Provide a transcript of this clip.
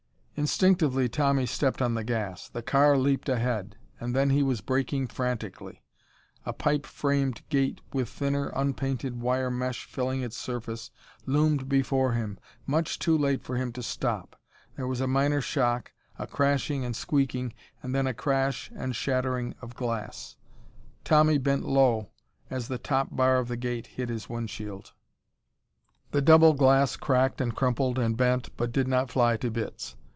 Instinctively, Tommy stepped on the gas. The car leaped ahead. And then he was braking frantically. A pipe framed gate with thinner, unpainted wire mesh filling its surface loomed before him, much too late for him to stop. There was a minor shock, a crashing and squeaking, and then a crash and shattering of glass. Tommy bent low as the top bar of the gate hit his windshield. The double glass cracked and crumpled and bent, but did not fly to bits.